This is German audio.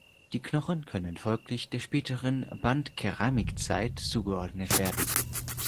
Die Knochen können folglich der späten Bandkeramik-Zeit zugeordnet werden.